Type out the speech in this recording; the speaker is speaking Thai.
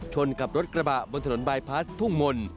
กับรถกระบะบนถนนบายพลาสทุ่งมนต์